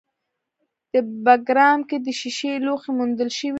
په بګرام کې د ښیښې لوښي موندل شوي